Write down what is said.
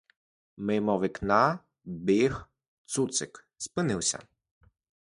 Мимо вікна біг цуцик — спинився.